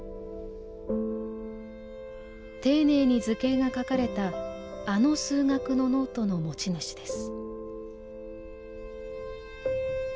丁寧に図形が描かれたあの数学のノートの持ち主です。